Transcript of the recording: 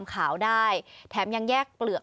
ไม่ขาวใช่มั้ยครับ